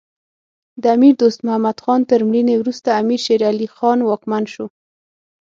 د امیر دوست محمد خان تر مړینې وروسته امیر شیر علی خان واکمن شو.